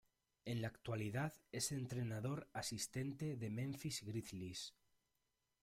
En la actualidad es entrenador asistente de Memphis Grizzlies.